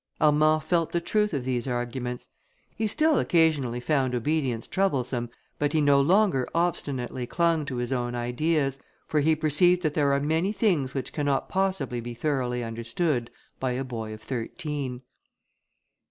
Armand felt the truth of these arguments. He still occasionally found obedience troublesome, but he no longer obstinately clung to his own ideas, for he perceived that there are many things which cannot possibly be thoroughly understood by a boy of thirteen.